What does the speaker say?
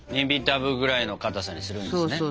耳たぶぐらいのかたさにするんですね？